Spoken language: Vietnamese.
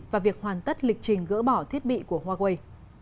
và việc hoàn tất lịch trình gỡ bỏ thiết bị của huawei